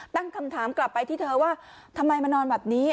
ตั้งคำถามกลับไปที่เธอว่าทำไมมานอนแบบนี้